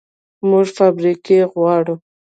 موږ فابریکې غواړو